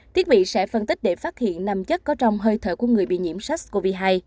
thiết bị sẽ phân tích để phát hiện năm chất có trong hơi thở của người bị nhiễm sars cov hai